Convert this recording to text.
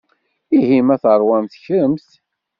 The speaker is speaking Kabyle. Ihi ma teṛwamt kkremt.